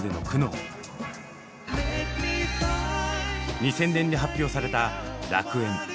２０００年に発表された「楽園」。